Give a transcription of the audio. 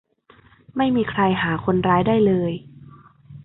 ไม่มีใครหาคนร้ายได้เลย